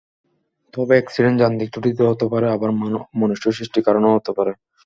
তবে অ্যাকসিডেন্ট যান্ত্রিক ত্রুটিতেও হতে পারে, আবার মনুষ্যসৃষ্ট কারণেও হতে পারে।